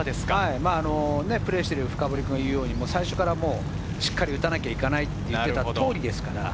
プレーしている深堀君が言うように、最初からしっかり打たなきゃいけないという通りです。